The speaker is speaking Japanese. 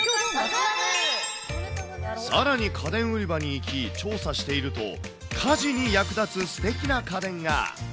さらに家電売り場に行き、調査していると、家事に役立つすてきな家電が。